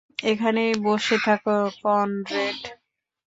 এখানেই বসে থাকো, কনরেড।